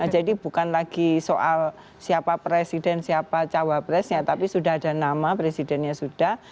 jadi bukan lagi soal siapa presiden siapa cawapresnya tapi sudah ada nama presidennya sudah